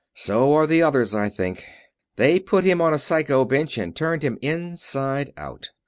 So are the others, I think. They put him on a psycho bench and turned him inside out."